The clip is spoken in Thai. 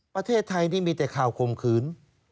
ประเทศไทยนี่มีแต่ข่าวข่มขืน